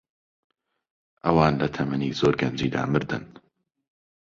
ئەوان لە تەمەنی زۆر گەنجیدا مردن.